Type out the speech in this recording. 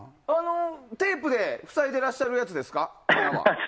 テープで塞いでらっしゃるやつですか？